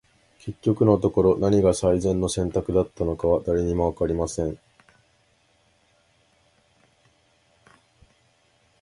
•結局のところ、何が最善の選択だったのかは、誰にも分かりません。